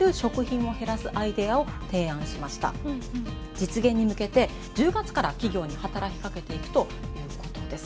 実現に向けて１０月から企業に働きかけていくということです。